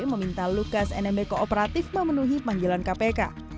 meminta lukas nmb kooperatif memenuhi panggilan kpk